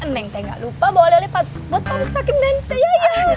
neng teh gak lupa bawa lele buat pak mustaqim dan caya ya